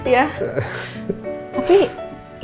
tapi itu artinya kamu jadi dapet